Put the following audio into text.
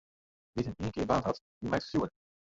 Dy't him ienkear baarnd hat, dy mijt it fjoer.